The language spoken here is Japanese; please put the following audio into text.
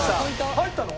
入ったの？